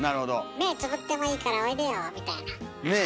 目つぶってもいいからおいでよみたいな。ねえ？